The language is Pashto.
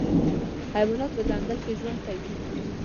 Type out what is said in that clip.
حیوانات په ځنګل کي ژوند کوي.